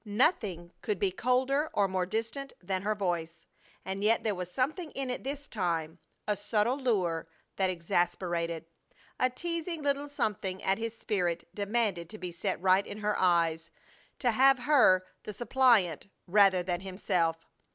Nothing could be colder or more distant than her voice, and yet there was something in it this time, a subtle lure, that exasperated. A teasing little something at his spirit demanded to be set right in her eyes to have her the suppliant rather than himself.